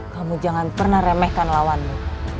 kamu jangan pernah remehkan lawanmu